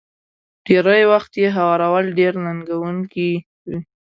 ډېری وخت يې هوارول ډېر ننګوونکي وي.